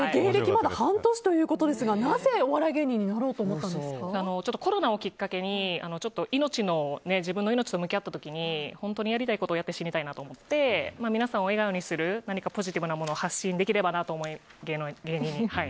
まだ半年ということですがなぜお笑い芸人になろうとコロナをきっかけに自分の命と向き合った時に本当にやりたいことをやって死にたいなと思って皆さんを笑顔にするポジティブなものを発信できればなと思い